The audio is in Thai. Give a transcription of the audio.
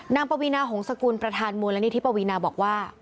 ปวีนาหงษกุลประธานมูลนิธิปวีนาบอกว่า